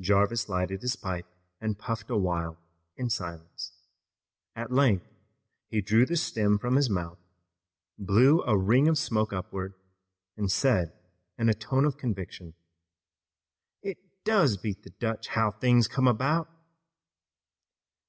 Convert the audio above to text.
Jarvis lighted his pipe and puffed a while in silence. At length he drew the stem from his mouth, blew a ring of smoke upward and said in a tone of conviction: "It does beat the Dutch how things come about!"